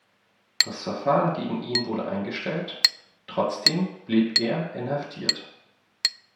Das Verfahren gegen ihn wurde eingestellt, trotzdem blieb er inhaftiert.